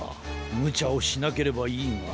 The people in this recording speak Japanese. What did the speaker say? むちゃをしなければいいが。